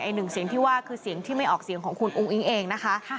หนึ่งเสียงที่ว่าคือเสียงที่ไม่ออกเสียงของคุณอุ้งอิ๊งเองนะคะ